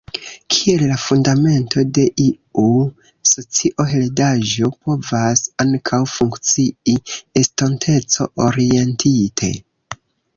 Kiel la fundamento de iu socio heredaĵo povas ankaŭ funkcii estonteco-orientite.